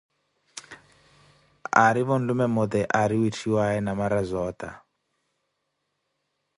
Aarivo nlume mmote aari witthiwaye Namarazootha.